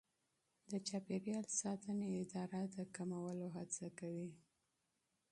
د چاپیریال ساتنې اداره د کمولو هڅه کوي.